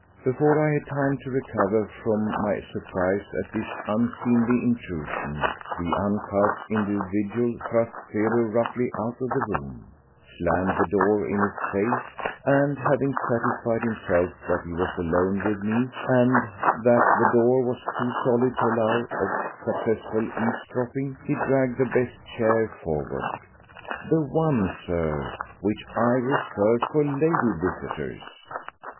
Before I had time to recover from my surprise at this unseemly intrusion, the uncouth individual thrust Theodore roughly out of the room, slammed the door in his face, and having satisfied himself that he was alone with me and that the door was too solid to allow of successful eavesdropping, he dragged the best chair forward—the one, sir, which I reserve for lady visitors.